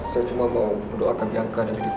saya cuma mau berdoa ke bianca lebih dekat